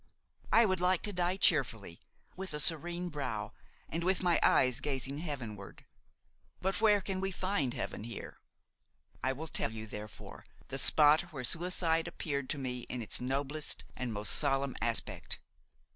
I would like to die cheerfully, with a serene brow and with my eyes gazing heavenward. But where can we find heaven here? I will tell you, therefore, the spot where suicide appeared to me in its noblest and most solemn aspect.